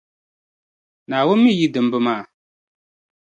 Naawuni mi yi dimba maa.